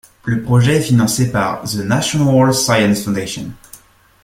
Le projet est financé par The National Science Foundation.